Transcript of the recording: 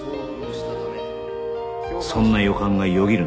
そんな予感がよぎる